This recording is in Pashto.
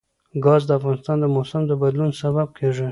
ګاز د افغانستان د موسم د بدلون سبب کېږي.